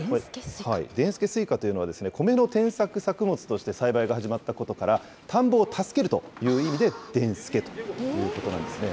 でんすけすいかというのはコメの転作作物として栽培が始まったことから、田んぼを助けるという意味ででんすけということなんですね。